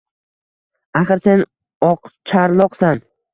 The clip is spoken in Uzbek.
Axir, sen — oqcharloqsan!